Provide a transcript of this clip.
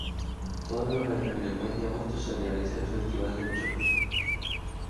Todos los años en el mes de agosto se realiza el "Festival del Choclo".